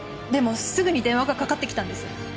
でもすぐに電話がかかって来たんです。